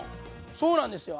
そうなんですよ。